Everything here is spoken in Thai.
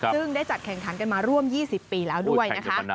ซึ่งได้จัดแข่งขันกันมาร่วม๒๐ปีแล้วด้วยนะคะ